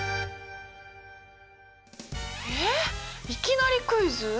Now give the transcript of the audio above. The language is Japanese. えいきなりクイズ？